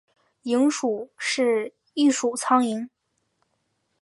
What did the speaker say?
蝇属是一属苍蝇。